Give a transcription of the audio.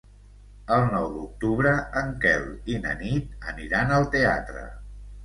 El nou d'octubre en Quel i na Nit aniran al teatre.